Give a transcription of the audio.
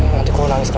nanti kok nangis keras